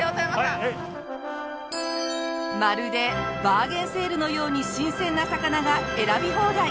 まるでバーゲンセールのように新鮮な魚が選び放題！